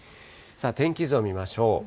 天気図を見ましょう。